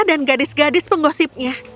dan gadis gadis penggosipnya